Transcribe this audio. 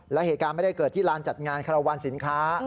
และเหตุการณ์ไม่ได้เกิดที่ลานจัดงานคารวาลสินค้า